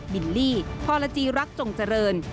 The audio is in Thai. บิลลี่พรจีรักจงเจริญ